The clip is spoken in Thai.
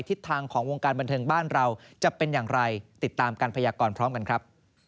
ทิศทางของวงการบันเทิงบ้านเราจะเป็นอย่างไรติดตามการพยากรพร้อมกันครับ